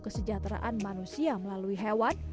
kesejahteraan manusia melalui hewan